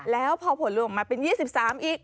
แล้วพอผลล่วงมาเป็น๒๓อีก